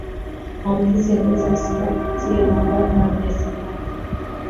maambukizi yanaweza kusambaa kupipitia mabomba ya sindano